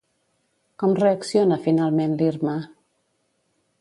Com reacciona finalment l'Irma?